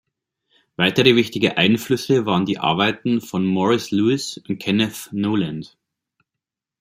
Weitere wichtige Einflüsse waren die Arbeiten von Morris Louis und Kenneth Noland.